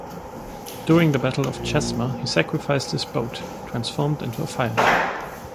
During the battle of Chesma, he sacrificed his boat, transformed into a fire ship.